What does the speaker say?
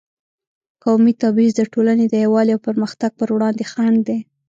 قومي تبعیض د ټولنې د یووالي او پرمختګ پر وړاندې خنډ دی.